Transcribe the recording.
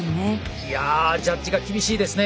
いやジャッジが厳しいですね。